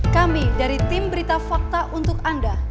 kami dari tim berita fakta untuk anda